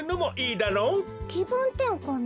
きぶんてんかんね。